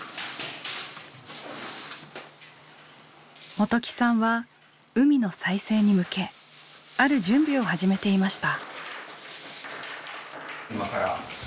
元起さんは海の再生に向けある準備を始めていました。